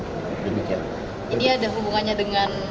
jadi ada hubungannya dengan elektabilitas pak prabowo pak aram